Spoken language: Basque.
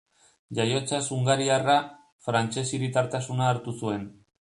Jaiotzaz hungariarra, frantses hiritartasuna hartu zuen.